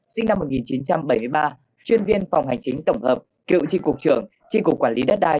sinh năm một nghìn chín trăm bảy mươi ba chuyên viên phòng hành chính tổng hợp cựu tri cục trưởng tri cục quản lý đất đai